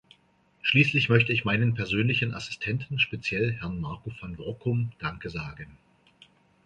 Schließlich möchte ich meinen persönlichen Assistenten, speziell Herrn Marko van Workum, Danke sagen.